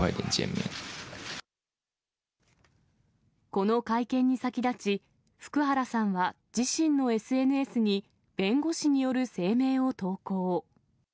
この会見に先立ち、福原さんは自身のＳＮＳに弁護士による声明を投稿。